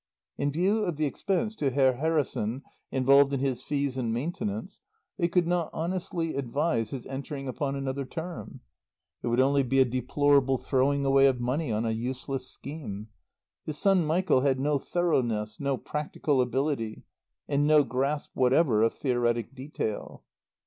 In view of the expense to Herr Harrison involved in his fees and maintenance, they could not honestly advise his entering upon another term. It would only be a deplorable throwing away of money on a useless scheme. His son Michael had no thoroughness, no practical ability, and no grasp whatever of theoretic detail.